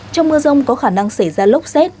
trong mưa rông có khả năng xảy ra lốc xét